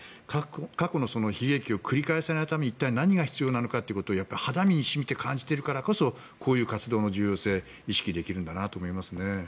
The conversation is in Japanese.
過去の悲劇を繰り返さないために何が必要なのかということを肌身に染みて感じているからこそこういう活動の重要性を意識できるんだなと思います。